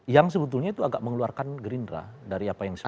yang sebetulnya itu agak mengeluarkan gerindra dari apa yang